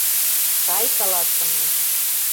— Сай каласыме!..